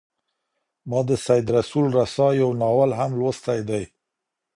ما د سید رسول رسا یو ناول هم لوستی دی.